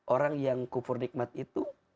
orang yang kufur nikmat itu